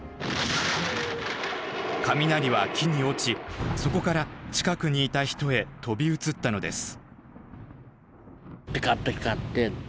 雷は木に落ちそこから近くにいた人へ飛び移ったのです。